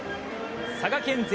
佐賀県勢